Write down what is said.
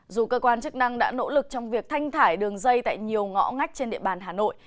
dù cơ quan chức năng đã nỗ lực trong việc thanh thải đường dây tại nhiều ngõ ngách trên địa bàn hà nội